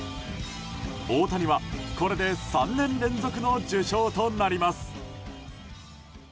大谷はこれで３年連続の受賞となります。